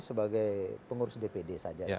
sebagai pengurus dpd saja